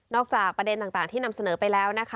จากประเด็นต่างที่นำเสนอไปแล้วนะคะ